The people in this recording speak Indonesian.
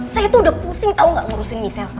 saya tuh udah pusing tau gak ngurusin michelle